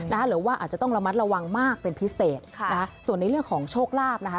หรือว่าอาจจะต้องระมัดระวังมากเป็นพิเศษค่ะนะฮะส่วนในเรื่องของโชคลาภนะคะ